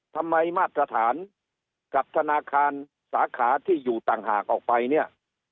มาตรฐานกับธนาคารสาขาที่อยู่ต่างหากออกไปเนี่ย